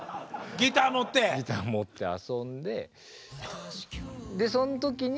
ギター持って遊んで。